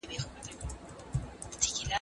ادبیات تل پیاوړې تخلیقي جنبه لري.